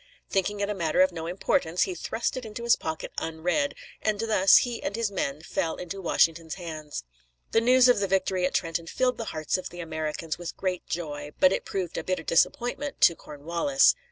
Thinking it a matter of no importance, he thrust it into his pocket unread, and thus he and his men fell into Washington's hands. The news of the victory of Trenton filled the hearts of the Americans with great joy, but it proved a bitter disappointment to Cornwallis.